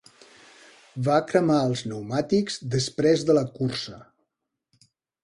Va cremar els pneumàtics després de la cursa.